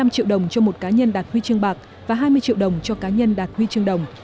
năm triệu đồng cho một cá nhân đạt huy chương bạc và hai mươi triệu đồng cho cá nhân đạt huy chương đồng